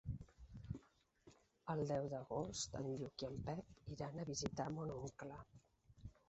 El deu d'agost en Lluc i en Pep iran a visitar mon oncle.